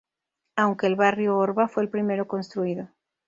Aunque el Barrio Orba fue el primero construido.